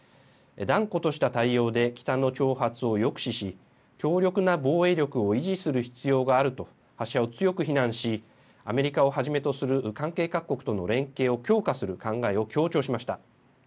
断固とした対応で北の挑発を抑止し、強力な防衛力を維持する必要があると発射を強く非難し、アメリカをはじめとする関係各国との連携を強化する考えを強調しました。